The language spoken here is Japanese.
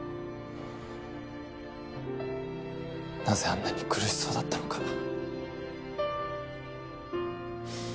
なぜあんなに苦しそうだったのか。